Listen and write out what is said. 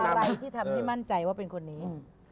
อะไรที่ทำให้มั่นใจว่าเป็นคนนี้